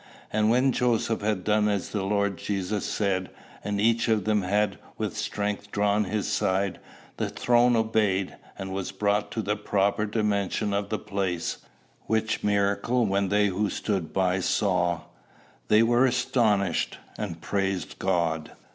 And when Joseph had done as the Lord Jesus said, and each of them had with strength drawn his side, the throne obeyed, and was brought to the proper dimensions of the place; which miracle when they who stood by saw, they were astonished, and praised God.